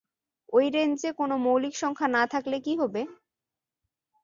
ঐ রেঞ্জে কোনো মৌলিক সংখ্যা না থাকলে কী হবে?